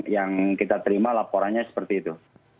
yang kita terima laporannya seperti itu